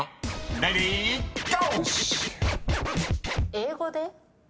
英語で？